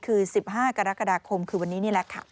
คือ๑๕กรกฎาคมคือวันนี้นี่แหละค่ะ